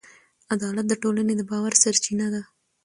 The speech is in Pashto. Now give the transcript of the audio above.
عدالت د ټولنې د باور سرچینه ده.